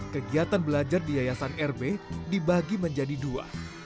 kegiatan belajar di yayasan rb dibagi menjadi dua